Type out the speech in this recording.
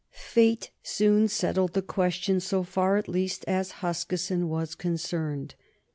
Fate soon settled the question so far at least as Huskisson was concerned.